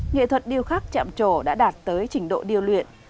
nghệ thuật điêu khắc chạm trổ đã đạt tới trình độ điêu luyện